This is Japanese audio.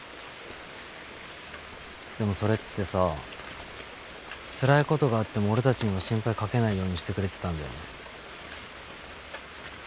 でもそれってさつらいことがあっても俺たちには心配かけないようにしてくれてたんだよね。